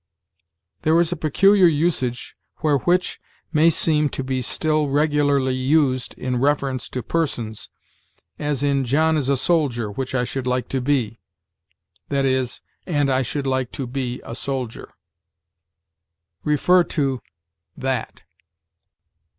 "There is a peculiar usage where which may seem to be still regularly used in reference to persons, as in 'John is a soldier, which I should like to be,' that is, 'And I should like to be a soldier.'" See THAT.